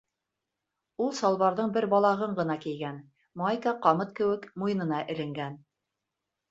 Ул салбарҙың бер балағын ғына кейгән, майка, ҡамыт кеүек, муйынына эленгән.